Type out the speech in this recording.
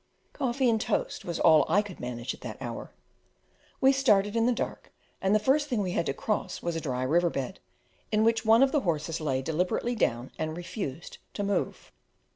Coffee and toast was all I could manage at that hour. We started in the dark, and the first thing we had to cross was a dry river bed, in which one of the horses lay deliberately down, and refused to move.